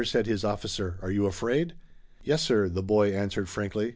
said his officer. "Are you afraid?" "Yes, sir," the boy answered frankly.